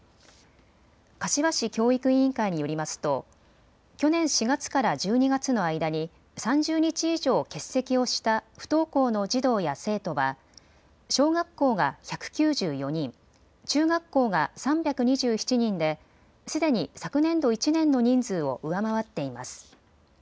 柏市教育委員会によりますと去年４月から１２月の間に３０日以上欠席をした不登校の児童や生徒は小学校が１９４人、中学校が３２７人ですでに昨年度１年の人数を上回っています。